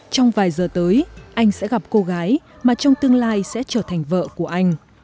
trong vài giờ tới anh sẽ gặp cô gái mà trong tương lai sẽ trở thành vợ của anh